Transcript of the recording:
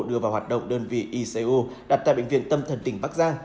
đưa vào hoạt động đơn vị icu đặt tại bệnh viện tâm thần tỉnh bắc giang